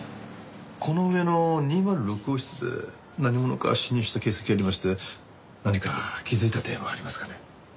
この上の２０６号室で何者か侵入した形跡がありまして何か気づいた点はありますかね？